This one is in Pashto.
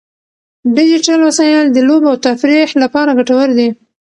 ډیجیټل وسایل د لوبو او تفریح لپاره ګټور دي.